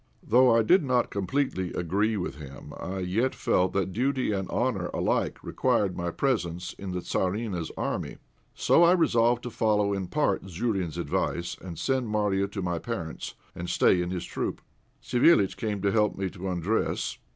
Though I did not completely agree with him, I yet felt that duty and honour alike required my presence in the Tzarina's army; so I resolved to follow in part Zourine's advice, and send Marya to my parents, and stay in his troop. Savéliitch came to help me to undress.